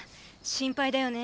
心配だよね。